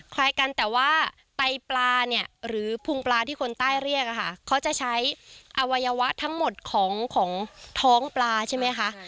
คล้ายกันแต่ว่าไตปลาเนี่ยหรือพุงปลาที่คนใต้เรียกอะค่ะเขาจะใช้อวัยวะทั้งหมดของท้องปลาใช่ไหมคะ